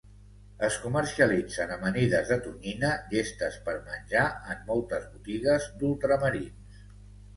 Es comercialitzen amanides de tonyina llestes per menjar en moltes botigues d'ultramarins.